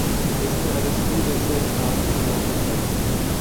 اس نے ارسطو جیسے استاد کی صحبت پائی